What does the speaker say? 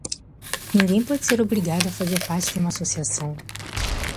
Ninguém pode ser obrigado a fazer parte de uma associação.